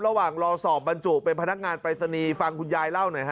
ระหว่างรอสอบบรรจุเป็นพนักงานปรายศนีย์ฟังคุณยายเล่าหน่อยฮ